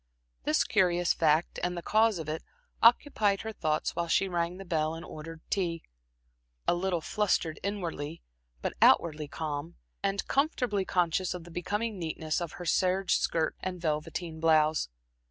This curious fact, and the cause of it, occupied her thoughts while she rang the bell and ordered tea, a little flustered inwardly, but outwardly calm, and comfortably conscious of the becoming neatness of her serge skirt and velveteen blouse.